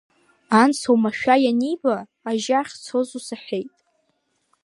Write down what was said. Анс оумашәа ианиба, ажьа ахьцоз ус аҳәеит…